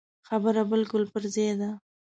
خبره بالکل پر ځای ده.